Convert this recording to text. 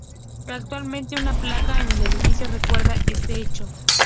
Actualmente, una placa en el edificio recuerda este hecho.